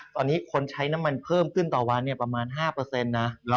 ตอนนี้คนใช้น้ำมันเพิ่มขึ้นต่อวันประมาณ๕นะ